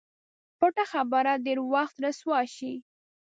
پټه خبره ډېر وخت رسوا شي.